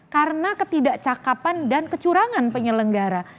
karena ketidakcakapan dan kecurangan penyelenggara